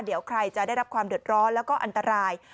เดี๋ยวใครจะได้รับความเดือดร้อนแล้วก็อันตราย